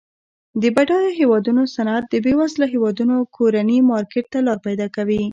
د بډایه هیوادونو صنعت د بیوزله هیوادونو کورني مارکیټ ته لار پیداکوي.